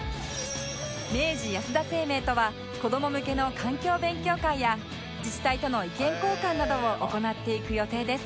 明治安田生命とは子ども向けの環境勉強会や自治体との意見交換などを行っていく予定です